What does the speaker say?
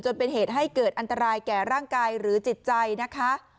เป็นเหตุให้เกิดอันตรายแก่ร่างกายหรือจิตใจนะคะ